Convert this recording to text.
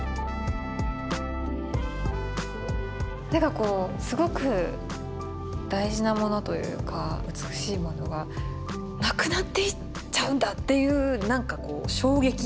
こうすごく大事なものというか美しいものがなくなっていっちゃうんだっていうなんかこう衝撃。